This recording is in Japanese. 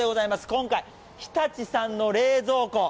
今回、日立さんの冷蔵庫。